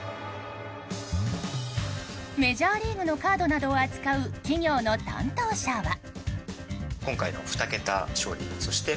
メジャーリーグのカードなどを扱う企業の担当者は。